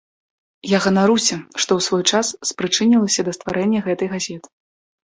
Я ганаруся, што ў свой час спрычынілася да стварэння гэтай газеты.